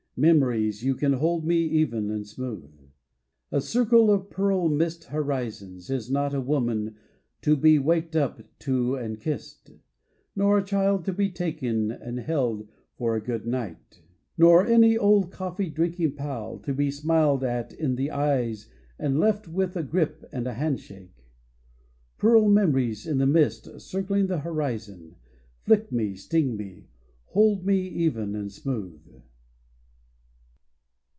Memories, you can hold me even and smooth. A circle of pearl mist horizons is not a woman to be walked up to and kissed nor a child to be taken and held for a good night, nor any old coffee drinking pal to be smiled at in the eyes and left with a grip and a handshake. Pearl memories in the mist circling the horizon, fiick me, sting me, hold me even and smooth.